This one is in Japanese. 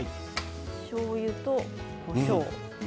しょうゆと、こしょう。